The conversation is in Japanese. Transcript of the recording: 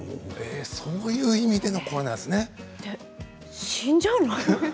そういう意味でのこれなんですね。